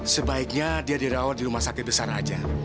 sebaiknya dia dirawat di rumah sakit besar aja